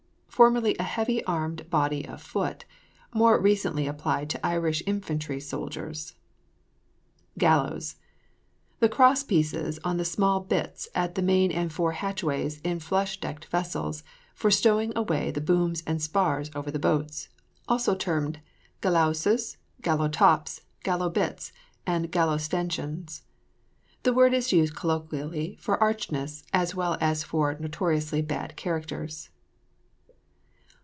Formerly a heavy armed body of foot; more recently applied to Irish infantry soldiers. GALLOWS. The cross pieces on the small bitts at the main and fore hatchways in flush decked vessels, for stowing away the booms and spars over the boats; also termed gallowses, gallows tops, gallows bitts, and gallows stanchions. The word is used colloquially for archness, as well as for notoriously bad characters.